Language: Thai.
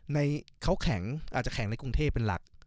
นายจะแข็งในกรุงเทพฯเป็นหลัก